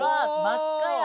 真っ赤や！